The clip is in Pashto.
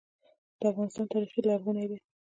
د افغانستان تاریخ لرغونی دی